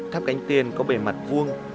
tháp cánh tiên có bề mặt vuông